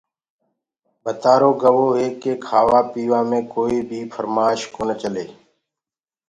ٻتآرو گوو هي ڪي کآوآ پيوآ مي ڪوئيٚ بيٚ ڦرمآش ڪونآ چلسيٚ